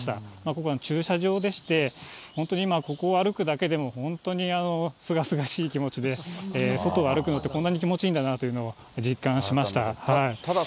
ここは駐車場でして、本当に今、ここを歩くだけでも本当にすがすがしい気持ちで、外を歩くのってこんなに気持ちいいんだなっていうのを実感しましただ